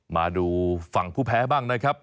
มาดูฝั่งผู้แพ้บ้างนะครับ